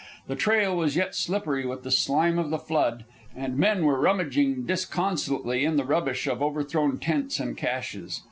The trail was yet slippery with the slime of the flood, and men were rummaging disconsolately in the rubbish of overthrown tents and caches.